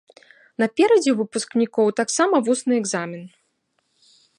Наперадзе ў выпускнікоў таксама вусны экзамен.